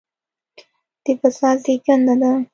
د فساد زېږنده ده.